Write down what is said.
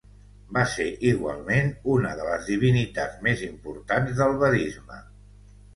Va ser igualment una de les divinitats més importants del vedisme.